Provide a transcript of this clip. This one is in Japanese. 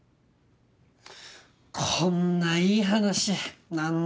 こんないい話何だか。